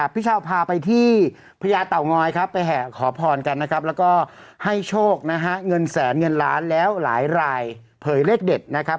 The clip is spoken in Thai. พี่เช่าพาไปที่พระยาต่าง้อยไปแห่ขอพรกันแล้วก็ให้โชคเงินแสนเงินล้านแล้วหลายรายเผยเล็กเด็ด